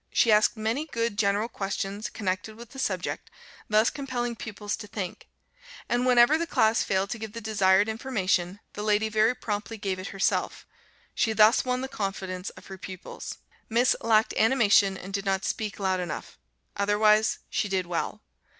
She asked many good general questions connected with the subject, thus compelling pupils to think; and whenever the class failed to give the desired information, the lady very promptly gave it herself; she thus won the confidence of her pupils. Miss lacked animation and did not speak loud enough; otherwise she did well.